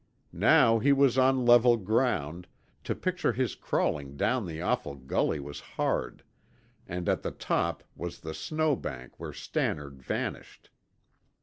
Now he was on level ground, to picture his crawling down the awful gully was hard, and at the top was the snow bank where Stannard vanished.